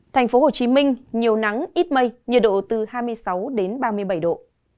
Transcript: thành phố hồ chí minh nhiều nắng ít mây nhiệt độ từ hai mươi sáu ba mươi bảy độ